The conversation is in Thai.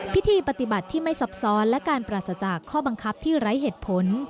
พิธีปฏิบัติที่ไม่ซับซ้อนและการปราศจากข้อบังคับที่ไร้เหตุผล